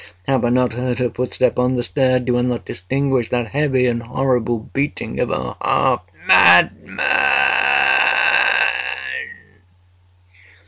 Have I not heard her footstep on the stair? Do I not distinguish that heavy and horrible beating of her heart? Madman!"